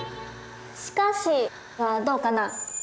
「しかし」はどうかな。